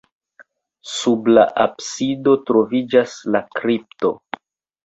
Sub la absido troviĝas la kripto.